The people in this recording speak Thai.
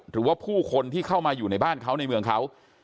หรือว่าผู้คนที่เข้ามาอยู่ในบ้านเขาในเมืองเขา